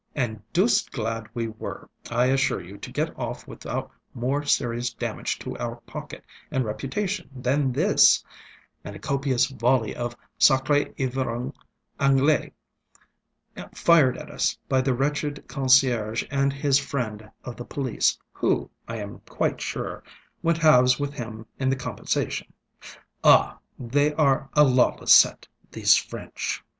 And deuced glad we were, I assure you, to get off without more serious damage to our pocket and reputation than this, and a copious volley of sacr├®s ivrognes Anglais, fired at us by the wretched concierge and his friend of the police, who, I am quite sure, went halves with him in the compensation. Ah! they are a lawless set, these French.